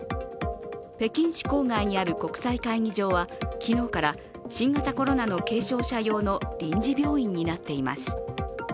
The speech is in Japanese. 北京市郊外にある国際会議場は昨日から新型コロナの軽症者用の臨時病院になっています。